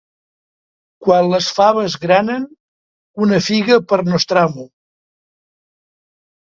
Quan les faves granen, una figa per nostramo.